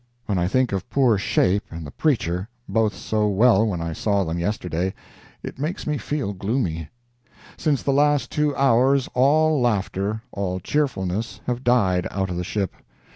When I think of poor 'Shape' and the preacher, both so well when I saw them yesterday, it makes me feel gloomy. Since the last two hours, all laughter, all cheerfulness, have died out of the ship.